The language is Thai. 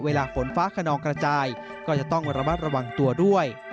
ฝนฟ้าขนองกระจายก็จะต้องระมัดระวังตัวด้วย